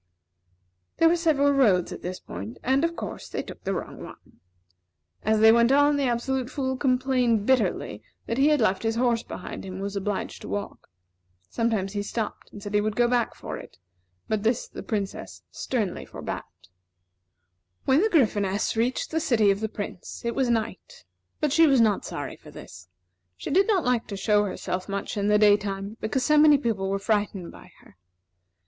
There were several roads at this point and, of course, they took the wrong one. As they went on, the Absolute Fool complained bitterly that he had left his horse behind him, and was obliged to walk. Sometimes he stopped, and said he would go back after it; but this the Princess sternly forbade. When the Gryphoness reached the city of the Prince, it was night; but she was not sorry for this. She did not like to show herself much in the daytime, because so many people were frightened by her.